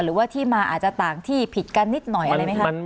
หรือว่าที่มาอาจจะต่างที่ผิดกันนิดหน่อยอะไรไหมคะ